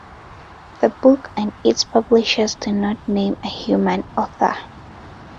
The book and its publishers do not name a human author.